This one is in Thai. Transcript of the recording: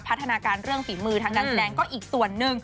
พัฒนาการเรื่องฝีมือทางการแสดงก็อีกส่วนหนึ่ง